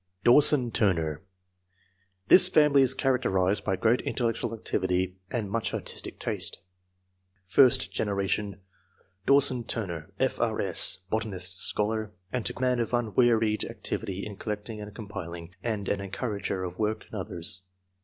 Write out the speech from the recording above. Dawson Tl rner. — This family is characterised by great intellectual activity and much artistic taste. Fi7\st generation. — Dawson Turner, F. R. 8. , botanist, scholar, antiquary ; a man of unwea ried activity in collecting and compiling, and an encourager of work in others.